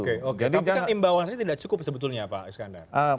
tapi kan imbauan saya tidak cukup sebetulnya pak iskandar